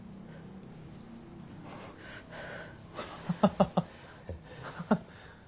ハハハハハ。